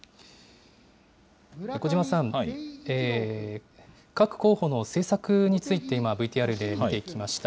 小嶋さん、各候補の政策について、今ＶＴＲで見ていきました。